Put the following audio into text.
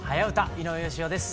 井上芳雄です。